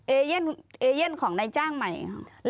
เอเยี่ยนเอเยี่ยนของในจ้างใหม่ค่ะ